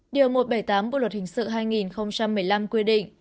điều một trăm bảy mươi tám bộ luật hình sự hai nghìn một mươi năm quy định